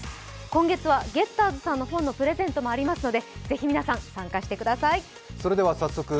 今月はゲッターズさんの本のプレゼントもありますのでぜひ皆さん、参加してください。